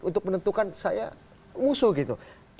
untuk menentukan saya musuh gitu